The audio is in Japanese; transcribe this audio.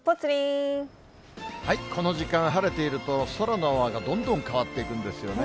この時間、晴れていると空の青がどんどん変わっていくんですよね。